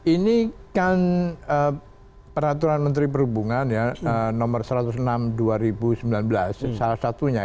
ini kan peraturan menteri perhubungan ya nomor satu ratus enam dua ribu sembilan belas salah satunya